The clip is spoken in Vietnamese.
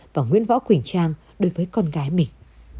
và nguyễn võ quỳnh trang đối với con gái mình